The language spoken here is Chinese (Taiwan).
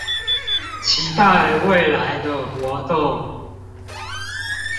期待未來的活動